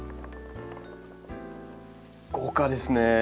豪華ですね。